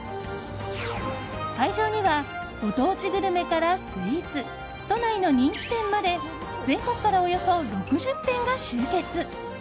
会場にはご当地グルメからスイーツ都内の人気店まで全国からおよそ６０店が集結。